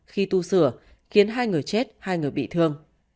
khi tu sửa khiến hai người chết hai người bị thương